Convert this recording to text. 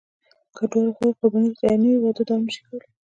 که دواړه خواوې قرباني ته تیارې نه وي، واده دوام نشي کولی.